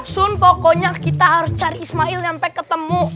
sun pokoknya kita harus cari ismail nyampe ketemu